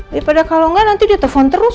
daripada kalau gak nanti dia telfon terus